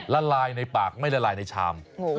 ละลายในปากไม่ละลายในชาม